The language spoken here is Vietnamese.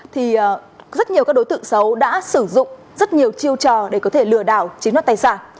thì rất nhiều các đối tượng xấu đã sử dụng rất nhiều chiêu trò để có thể lừa đảo chiếm đoạt tài sản